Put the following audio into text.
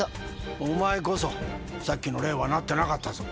お前こそさっきの礼はなってなかったぞ。